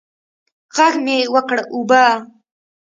ږغ مې وکړ اوبه.